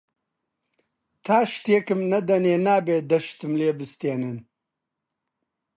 تا شتێکم نەدەنێ نابێ دە شتم لێ بستێنن